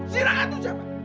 si raka tuh siapa